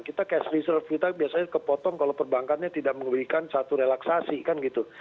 kita cash reserve kita biasanya kepotong kalau perbankannya tidak memberikan satu relaksasi kan gitu